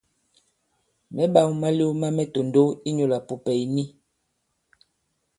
Mɛ̌ ɓāw malew ma mɛ tòndow inyūlā pùpɛ̀ ì ni.